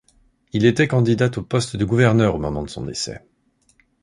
Il était candidat au poste de gouverneur au moment de son décès.